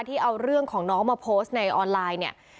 ที่เอาเรื่องของน้องมาโพสต์ในออนไลน์เนี่ย